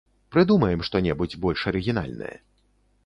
Прыдумаем што-небудзь больш арыгінальнае.